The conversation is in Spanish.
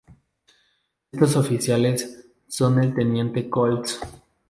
Estos oficiales son el teniente Cols.